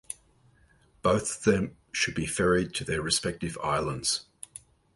Both of them should be ferried to their respective islands.